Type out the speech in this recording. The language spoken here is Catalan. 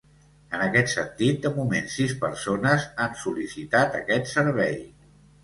En aquest sentit, de moment sis persones han sol·licitat aquest servei.